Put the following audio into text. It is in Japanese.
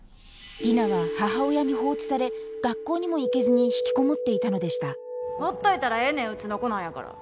里奈は母親に放置され学校にも行けずに引きこもっていたのでしたほっといたらええねんうちの子なんやから。